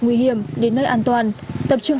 nguy hiểm đến nơi an toàn tập trung